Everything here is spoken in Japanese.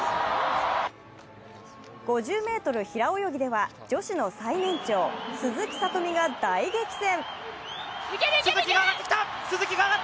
５０ｍ平泳ぎでは女子の最年長鈴木聡美が大激戦。